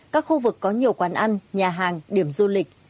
các khu vực có nhiều quán ăn nhà hàng điểm du lịch